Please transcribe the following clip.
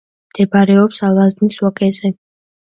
მდებარეობს ალაზნის ვაკეზე.